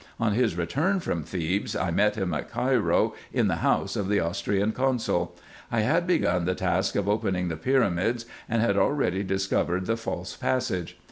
On his return from Thebes I met him at Cairo, in the house of the Austrian consul. I had begun the task of opening the pyramids, and had already discovered the false passage.